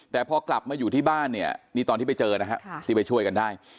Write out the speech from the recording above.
แต่พอกลับมาอยู่ที่บ้านเนี่ยนี่ตอนที่ไปเจอนะฮะที่ไปช่วยกันได้